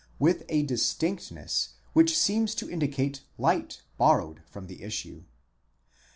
with a distinctness which seems to indicate light borrowed from the issue.